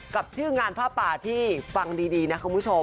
กับชื่องานผ้าป่าที่ฟังดีนะคุณผู้ชม